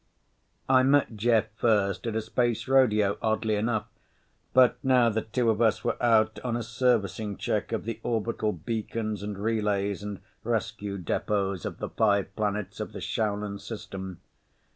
I met Jeff first at a space rodeo, oddly enough, but now the two of us were out on a servicing check of the orbital beacons and relays and rescue depots of the five planets of the Shaulan system.